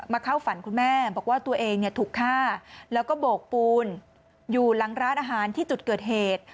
เข้าฝันคุณแม่บอกว่าตัวเองถูกฆ่าแล้วก็โบกปูนอยู่หลังร้านอาหารที่จุดเกิดเหตุ